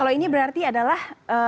kalau ini berarti adalah